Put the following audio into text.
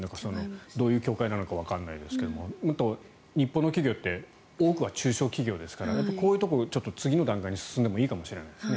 どういう協会なのかわからないですが日本の企業って多くは中小企業ですからこういうところは次の段階に進んでもいいかもしれないですね。